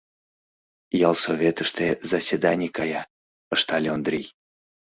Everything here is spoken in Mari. — Ялсоветыште заседаний кая, — ыштале Ондрий.